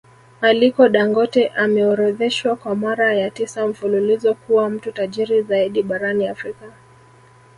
Aliko Dangote ameorodheshwa kwa mara ya tisa mfululizo kuwa mtu tajiri zaidi barani Afrika